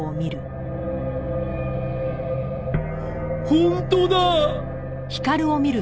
本当だ！